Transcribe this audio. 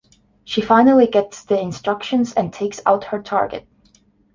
She finally gets the instructions and takes out her target.